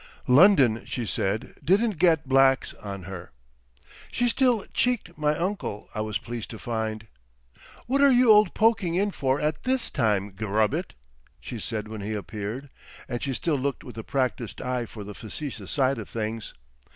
"London," she said, didn't "get blacks" on her. She still "cheeked" my uncle, I was pleased to find. "What are you old Poking in for at this time—Gubbitt?" she said when he appeared, and she still looked with a practised eye for the facetious side of things.